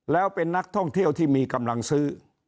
แล้วเป็นนักท่องเที่ยวที่มีกำลังซื้อ